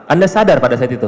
anda sadar pada saat itu